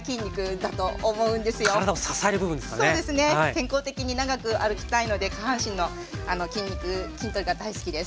健康的に長く歩きたいので下半身の筋肉筋トレが大好きです。